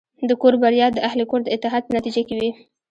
د کور بریا د اهلِ کور د اتحاد په نتیجه کې وي.